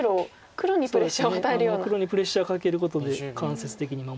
黒にプレッシャーをかけることで間接的に守ったといいますか。